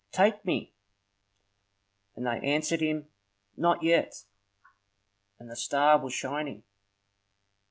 Take me!" And they answered him, "Not yet." And the star was shining.